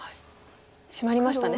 シマりましたね。